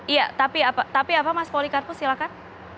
iya tapi apa mas polikarpus silakan